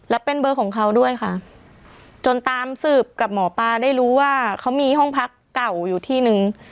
และเป็นเบอร์ของเขาด้วยค่ะจนตามสืบกับหมอปลาได้รู้ว่าเขามีห้องพักเก่าอยู่ที่นึง